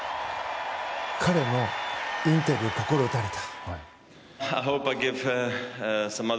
彼のインタビューに心を打たれた。